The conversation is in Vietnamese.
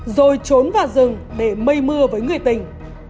rồi trốn vào rừng để mây mưa với người tình